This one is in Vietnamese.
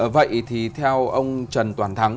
vậy thì theo ông trần toàn thắng